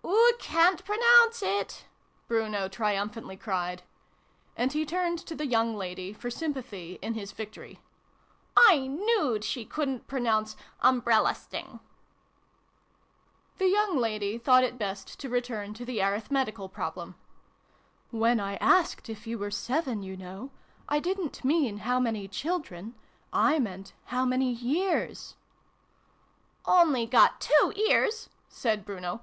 " Oo ca'n't pronounce it !" Bruno triumph antly cried. And he turned to the young lady, for sympathy in his victory. " I knewed she couldn't pronounce ' umbrella sting '!" The young lady thought it best to return to the arithmetical problem. " When I asked if you were seven, you know, I didn't mean ' how many children ?' I meant ' how many years '" Only got two ears," said Bruno.